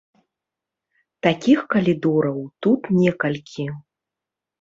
Такіх калідораў тут некалькі.